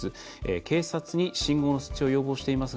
警察に信号の設置を要望していますが